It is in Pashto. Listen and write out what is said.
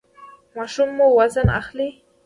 ماشوم مو وزن اخلي؟